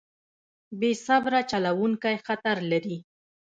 بې صبره چلوونکی خطر لري.